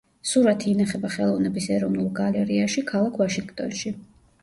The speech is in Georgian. სურათი ინახება ხელოვნების ეროვნულ გალერეაში, ქალაქ ვაშინგტონში.